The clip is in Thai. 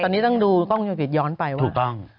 ตอนนี้ต้องดูกล้องวงจรปิดย้อนไปว่าถูกต้อง